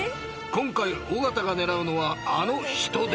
［今回尾形が狙うのはあのヒトデ］